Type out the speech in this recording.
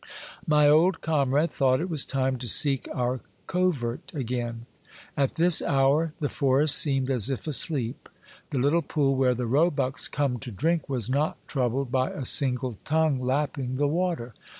My old comrade thought it was time to seek our covert again. At this hour the forest seemed as if asleep. The Httle pool where the roebucks come to drink was not troubled by a single tongue lapping the water.